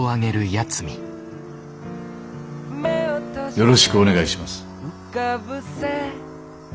よろしくお願いします。